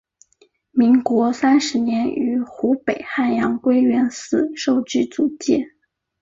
民国三十年于湖北汉阳归元寺受具足戒。